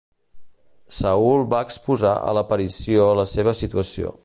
Saül va exposar a l'aparició la seva situació.